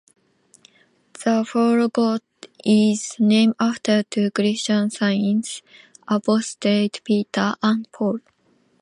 The fort got its name after two Christian saints, apostles Peter and Paul.